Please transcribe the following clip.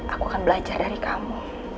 aku akan belajar dari kamu